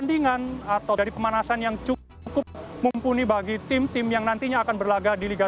ini bagi tim tim yang nantinya akan berlagak di liga satu